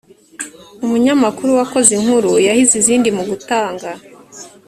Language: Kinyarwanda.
umunyamakuru wakoze inkuru yahize izindi mu gutanga